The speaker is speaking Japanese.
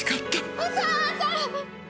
お父さん！